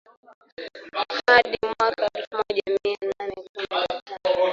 hadi mwaka elfu moja mia nane kumi na tano